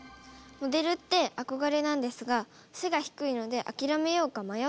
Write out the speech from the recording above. モデルって憧れなんですが背が低いので諦めようか迷っています。